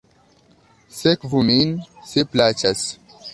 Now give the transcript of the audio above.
Sekvu min, se plaĉas.